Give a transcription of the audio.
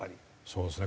そうですね。